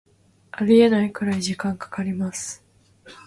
ありえないくらい時間かかります